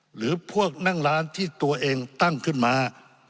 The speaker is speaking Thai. หรือพวกนั่งร้านที่ตัวเองตั้งขึ้นมา